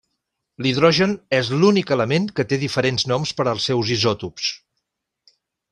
L'hidrogen és l'únic element que té diferents noms per als seus isòtops.